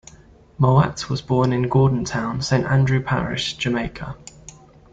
Mowatt was born in Gordon Town, Saint Andrew Parish, Jamaica.